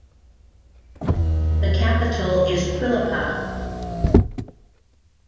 The capital is Cuilapa.